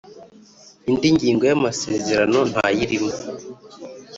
Indi ngingo y ‘amasezerano ntayirimo.